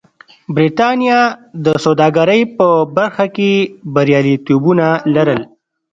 برېټانیا د سوداګرۍ په برخه کې بریالیتوبونه لرل.